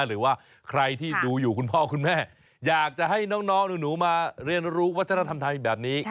หรือว่าใครที่ดูอยู่คุณพ่อคุณแม่อยากจะให้น้องหนูมาเรียนรู้วัฒนธรรมไทยแบบนี้